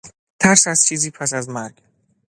ترس از چیزی پس از مرگ